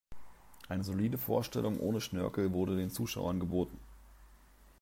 Eine solide Vorstellung ohne Schnörkel wurde den Zuschauern geboten.